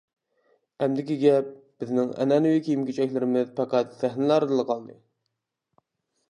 ئەمدىكى گەپ، بىزنىڭ ئەنئەنىۋى كىيىم-كېچەكلىرىمىز پەقەت سەھنىلەردىلا قالدى.